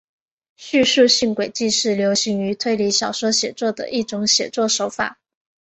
叙述性诡计是流行于推理小说写作的一种写作手法。